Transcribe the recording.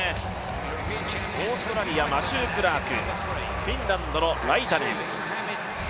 オーストラリア、マシュー・クラーク、フィンランドのライタネン。